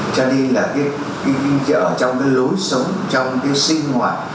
cho nên là ở trong cái lối sống trong cái sinh hoạt